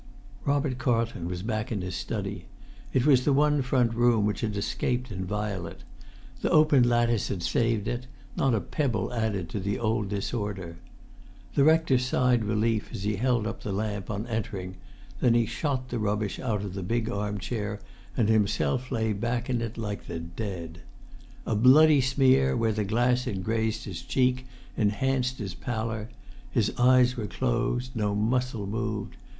Robert Carlton was back in his study. It was the one front room which had escaped inviolate; the open lattice had saved it; not a pebble added to the old disorder. The rector sighed relief as he held up the lamp on entering; then he shot the rubbish out of the big arm chair, and himself lay back in it like the dead. A bloody smear, where the glass had grazed his cheek, enhanced his pallor; his eyes were closed; no muscle moved.